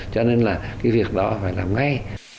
cho nên là cái việc đó phải làm ngay